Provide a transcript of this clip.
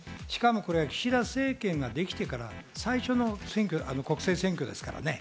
岸田政権ができてから最初の国政選挙ですからね。